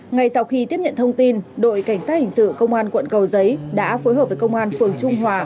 ngay sau khi tiếp nhận thông tin đội cảnh sát hình sự công an quận cầu giấy đã phối hợp với công an phường trung hòa